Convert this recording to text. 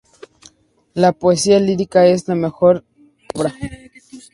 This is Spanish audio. Su poesía lírica es lo mejor de su obra.